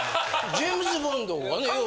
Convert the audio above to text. ジェームズ・ボンドがねよう。